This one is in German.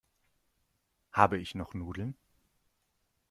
Habe ich noch Nudeln?